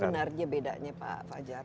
sebenarnya bedanya pak fajar